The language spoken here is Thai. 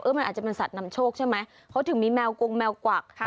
มันอาจจะเป็นสัตว์นำโชคใช่ไหมเขาถึงมีแมวกงแมวกวักค่ะ